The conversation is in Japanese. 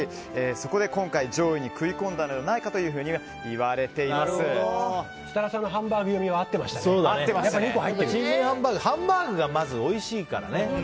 そこで今回上位に食い込んだのではないかと設楽さんのハンバーグ読みはハンバーグがまずおいしいからね。